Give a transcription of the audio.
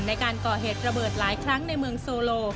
ในการก่อเหตุระเบิดหลายครั้งในเมืองโซโล